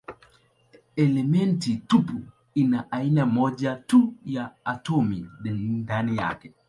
Elementi tupu ina aina moja tu ya atomi ndani yake.